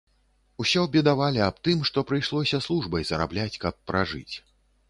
Усё бедавалі аб тым, што прыйшлося службай зарабляць, каб пражыць.